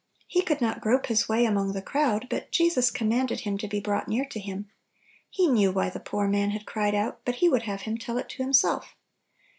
He could not grope his way among the crowd, but Jesus commanded him to be brought near to Him. He knew why the poor man had cried out, but He would have him tell it to Himself.